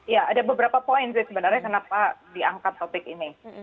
ya ada beberapa poin sih sebenarnya kenapa diangkat topik ini